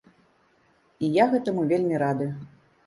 І я гэтаму вельмі рады.